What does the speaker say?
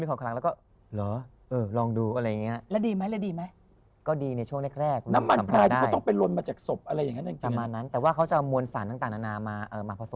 มีของคลังแล้วมีของคลังแล้วมีของคลังแล้วก็ลองดูอะไร